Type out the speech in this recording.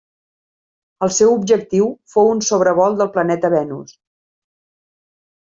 El seu objectiu fou un sobrevol del planeta Venus.